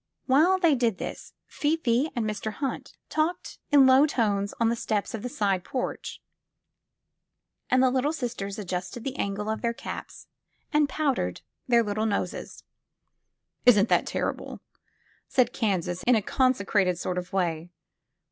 While they did this, Fifi and Mr. Hunt talked in low 203 CI t SQUARE PEGGY tones on the steps of the side porch, and the Little Sis ters adjusted the angle of their caps and powdered their little noses. '* Isn 't that terrible !'' said Kansas in a concentrated sort of way.